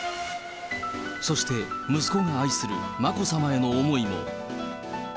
そして息子が愛する眞子さまへの思いも。